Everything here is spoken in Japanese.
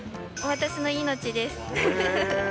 私の命です。